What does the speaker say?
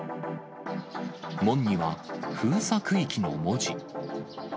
門には封鎖区域の文字。